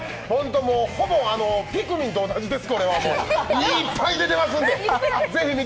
ほぼピクミンと同じです。